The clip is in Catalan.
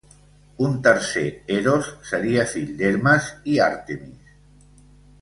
Un tercer Eros seria fill d'Hermes i Àrtemis.